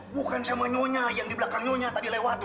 bukan sama nyonya yang di belakang nyonya tadi lewati